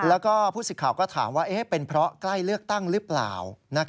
แล้วก็ผู้สิทธิ์ข่าวก็ถามว่าเป็นเพราะใกล้เลือกตั้งหรือเปล่า